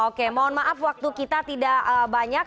oke mohon maaf waktu kita tidak banyak